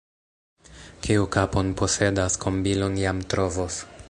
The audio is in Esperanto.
Kiu kapon posedas, kombilon jam trovos.